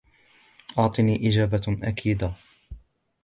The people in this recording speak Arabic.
أعطني إجابةً أكيدةً.